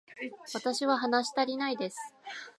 私は話したりないです